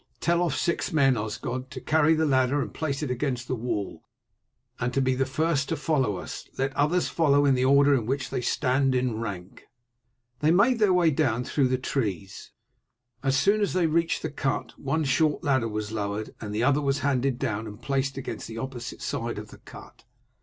Tell off six men, Osgod, to carry the ladder and place it against the wall, and to be the first to follow us. Let the others follow in the order in which they stand in rank." They made their way down through the trees. As soon as they reached the cut one short ladder was lowered, and the other was handed down and placed against the opposite side of the cut.